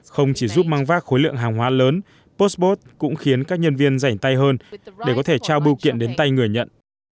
không chỉ giúp mang vác khối lượng hàng hóa lớn potbot cũng khiến các nhân viên giành tay hơn để có thể trao bưu kiện đến tay người nhận